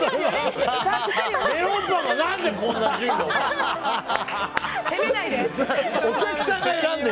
メロンパンが何でこんな順位なんだ！